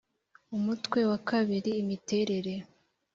umutwe wa kabiri imiterere